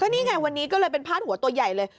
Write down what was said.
นี่ไงวันนี้ก็เลยเป็นพาดหัวตัวใหญ่เลย